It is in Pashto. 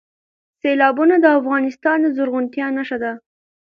سیلابونه د افغانستان د زرغونتیا نښه ده.